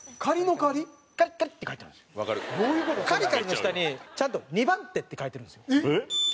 の下にちゃんと「２番手」って書いてるんですよ。